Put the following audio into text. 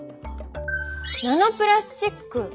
ナノプラスチック。